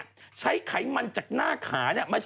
อะไรละเป็นอะไรละ